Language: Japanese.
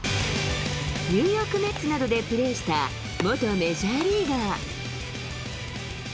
ニューヨークメッツなどでプレーした元メジャーリーガー。